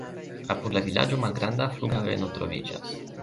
Apud la vilaĝo malgranda flughaveno troviĝas.